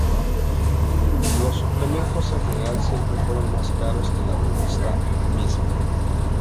Los suplementos en general siempre fueron más caros que la revista misma.